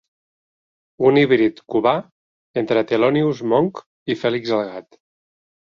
Un híbrid cubà entre Thelonious Monk i Fèlix el gat.